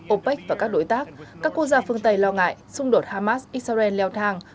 opec và các đối tác các quốc gia phương tây lo ngại xung đột hamas israel leo thang